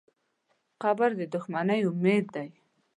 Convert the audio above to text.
قبر د بښنې امید دی.